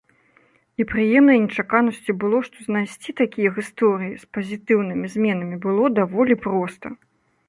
І прыемнай нечаканасцю было, што знайсці такія гісторыі з пазітыўнымі зменамі было даволі проста.